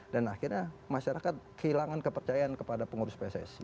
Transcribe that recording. dan akhirnya masyarakat kehilangan kepercayaan kepada pengurus pssi